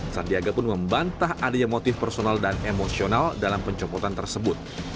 sandiaga pun membantah adanya motif personal dan emosional dalam pencopotan tersebut